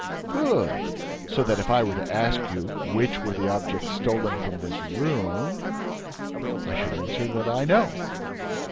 "Good! So that, if I were to ask you which were the objects stolen from this room—" "I should answer that I know."